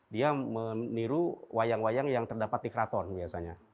dia meniru wayang wayang yang terdapat di keraton biasanya